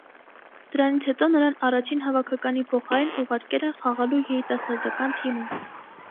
Դրանից հետո նրան առաջին հավաքականի փոխարեն ուղարկել են խաղալու երիտասարդական թիմում։